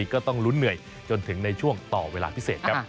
ก็ต้องลุ้นเหนื่อยจนถึงในช่วงต่อเวลาพิเศษครับ